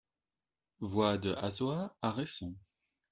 Voie de Hasoy à Resson